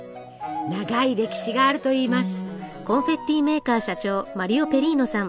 長い歴史があるといいます。